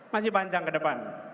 masih panjang ke depan